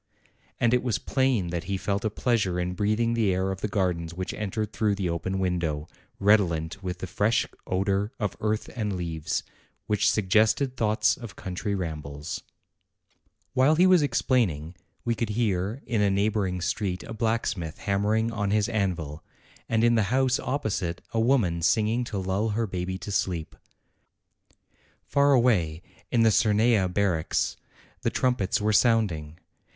And it was plain that he felt a pleasure in breathing the air of the gardens which entered through the open window, redolent with the fresh odor of earth and leaves, which suggested thoughts of country rambles. 203 204 APRIL While he was explaining, we could hear in a neigh boring street a blacksmith hammering on his anvil, and in the house opposite a woman singing to lull her baby to sleep. Far away, in the Cernaia barracks, the trumpets were sounding.